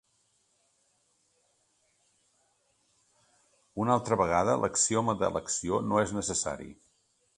Una altra vegada, l'axioma d'elecció no és necessari.